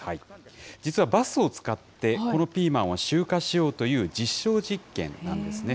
実はバスを使って、このピーマンを集荷しようという実証実験なんですね。